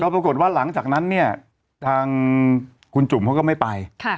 ปรากฏว่าหลังจากนั้นเนี่ยทางคุณจุ่มเขาก็ไม่ไป